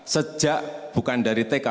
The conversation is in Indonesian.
sejak bukan dari tk